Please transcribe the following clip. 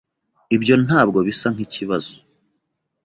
Ibyo ntabwo bisa nkikibazo.